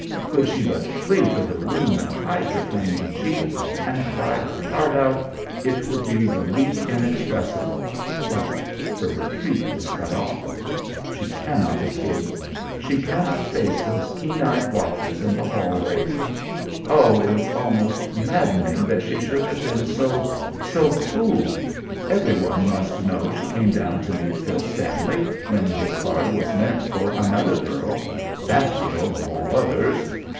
Could she but flee to her room and hide her flaming cheeks and cry her heart out, it would be relief inexpressible, but her retreat is cut off. She cannot escape. She cannot face those keen eyed watchers in the hall ways. Oh! it is almost maddening that she should have been so so fooled! Every one must know she came down to meet Phil Stanley when his card was meant for another girl, that girl of all others!